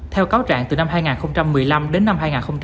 theo cáo trạng từ năm hai nghìn một mươi năm đến năm hai nghìn một mươi bảy